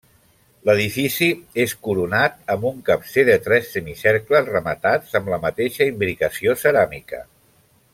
L'edifici és coronat amb un capcer de tres semicercles rematats amb la mateixa imbricació ceràmica.